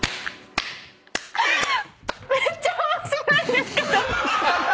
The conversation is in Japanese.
めっちゃ面白いんですけど！